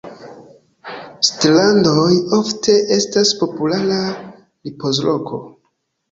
Strandoj ofte estas populara ripozloko.